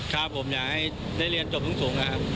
ครับผมอยากให้ได้เรียนจบสูงครับ